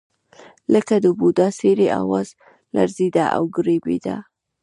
لکه د بوډا سړي اواز لړزېده او ګړبېده.